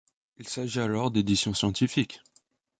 Il s'agit alors d'édition scientifique.